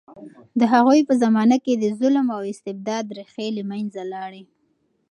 د هغوی په زمانه کې د ظلم او استبداد ریښې له منځه لاړې.